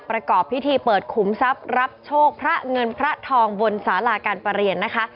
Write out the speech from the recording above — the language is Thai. ประกอบพิธีเปิดขุมทรัพย์รับโชคพระเงินพระทองบนสาราการประเรียนนะคะ